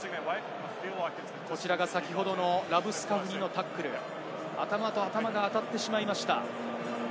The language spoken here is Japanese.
こちらが先ほどのラブスカフニのタックル、頭と頭が当たってしまいました。